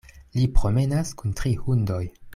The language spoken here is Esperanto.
Li promenas kun tri hundoj.